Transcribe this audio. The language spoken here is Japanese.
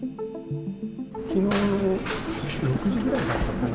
きのうの６時ぐらいだったかな。